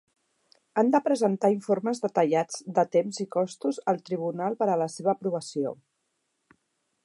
Han de presentar informes detallats de temps i costos al tribunal per a la seva aprovació.